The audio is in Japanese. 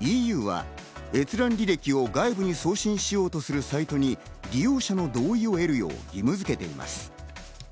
ＥＵは閲覧履歴を外部に送信しようとするサイトに利用者の同意を得るよう義務づけています。